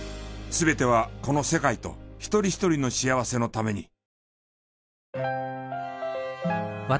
全てはこの世界と一人一人の幸せのために。